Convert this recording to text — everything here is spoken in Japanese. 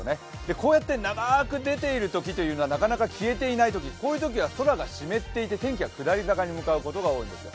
こうやって長く出ているときはなかなか消えていかない、こういうときは空が湿っていて天気が下り坂に向かうことが多いんですよ。